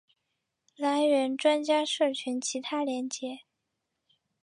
来源专家社群其他连结